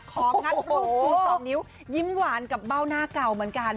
งัดรูปชู๒นิ้วยิ้มหวานกับเบ้าหน้าเก่าเหมือนกัน